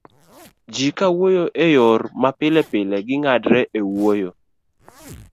ji kawuoyo e yor mapilepile, ging'adre e wuoyo